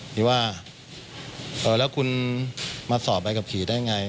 ที่ว่าแล้วคุณมาสอบใบขับขี่ได้ไง